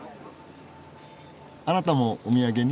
あなたもお土産に？